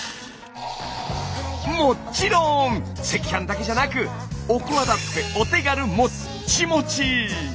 もっちろん赤飯だけじゃなくおこわだってお手軽もっちもち！